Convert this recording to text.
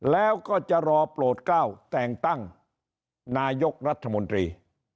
แล้วก็จะรอโปรดก้าวแต่งตั้งนายกรัฐมนตรี